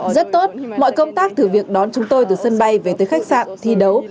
rất tốt mọi công tác thử việc đón chúng tôi từ sân bay về tới khách sạn thi đấu